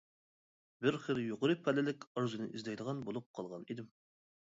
بىر خىل يۇقىرى پەللىلىك ئارزۇنى ئىزدەيدىغان بولۇپ قالغان ئىدىم.